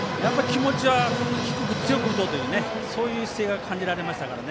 気持ちは低く強く打とうというそういう姿勢が感じられました。